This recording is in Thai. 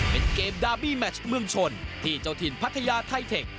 เป็นเกมดาร์บี้แมชเมืองชนที่เจ้าถิ่นพัทยาไทเทค